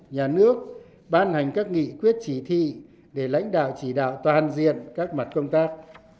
nhà nước ban hành các nghị quyết chỉ thị để lãnh đạo chỉ đạo toàn diện các mặt công tác